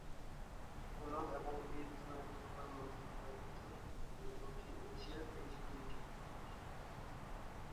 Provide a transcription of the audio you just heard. পোলাও এবং এই ধরনের খাবার মধ্য প্রাচ্য, মধ্য ও দক্ষিণ এশিয়ায় বেশ পরিচিত খাবার।